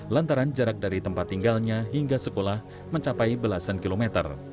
lantaran jarak dari tempat tinggalnya hingga sekolah mencapai belasan kilometer